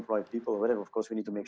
produk yang tepat untuk menjaga semua orang